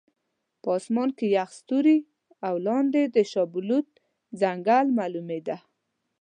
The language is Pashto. په اسمان کې یخ ستوري او لاندې د شاه بلوط ځنګل معلومېده.